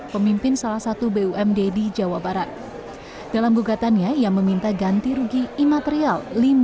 pemimpin salah satu bumd di jawa barat dalam gugatannya ia meminta ganti rugi imaterial